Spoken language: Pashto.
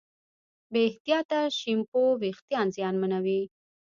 بې احتیاطه شیمپو وېښتيان زیانمنوي.